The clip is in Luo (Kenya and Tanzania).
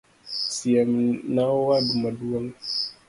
Siem na owadu maduong'